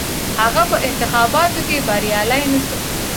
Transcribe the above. هغه په انتخاباتو کې بریالی نه شو.